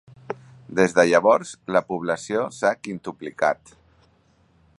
Des de llavors, la població s'ha quintuplicat.